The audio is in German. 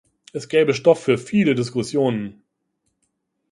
Es gäbe Stoff für viele Diskussionen.